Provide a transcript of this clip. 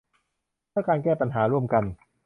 เพื่อการแก้ปัญหาร่วมกัน